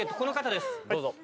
どうぞ。